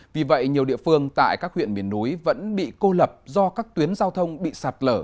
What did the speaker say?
vì vậy nhiều địa phương tại các huyện miền núi vẫn bị cô lập do các tuyến giao thông bị sạt lở